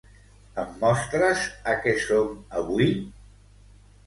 Em mostres a què som avui?